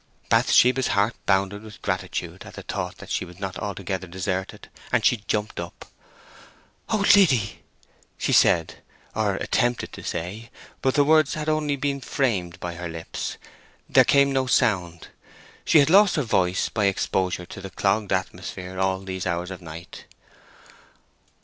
Bathsheba's heart bounded with gratitude in the thought that she was not altogether deserted, and she jumped up. "Oh, Liddy!" she said, or attempted to say; but the words had only been framed by her lips; there came no sound. She had lost her voice by exposure to the clogged atmosphere all these hours of night.